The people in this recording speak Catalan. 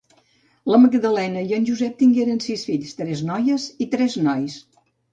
La Magdalena i en Josep tingueren sis fills, tres noies i tres nois.